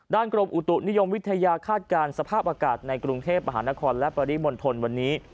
กรมอุตุนิยมวิทยาคาดการณ์สภาพอากาศในกรุงเทพมหานครและปริมณฑลวันนี้